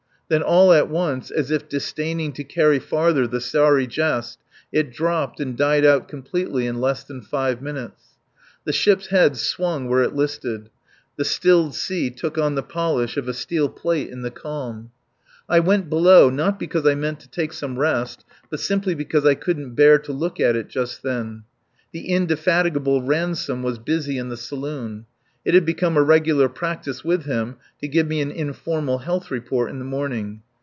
Then, all at once, as if disdaining to carry farther the sorry jest, it dropped and died out completely in less than five minutes. The ship's head swung where it listed; the stilled sea took on the polish of a steel plate in the calm. I went below, not because I meant to take some rest, but simply because I couldn't bear to look at it just then. The indefatigable Ransome was busy in the saloon. It had become a regular practice with him to give me an informal health report in the morning.